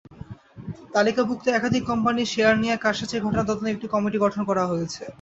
তালিকাভুক্ত একাধিক কোম্পানির শেয়ার নিয়ে কারসাজির ঘটনা তদন্তে একটি কমিটি গঠন করা হয়েছে।